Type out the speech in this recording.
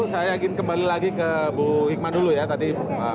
saya ingin kembali lagi ke bu hikman dulu ya tadi